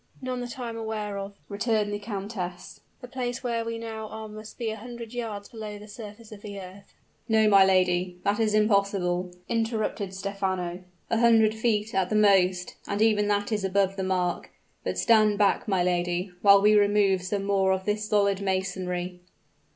"None that I am aware of," returned the countess. "The place where we now are must be a hundred yards below the surface of the earth " "No, my lady that is impossible," interrupted Stephano; "a hundred feet at the most and even that is above the mark. But stand back, my lady, while we remove some more of this solid masonry."